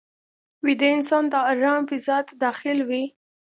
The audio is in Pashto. ویده انسان د آرام فضا ته داخل وي